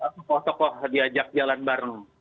sokoh sokoh diajak jalan bareng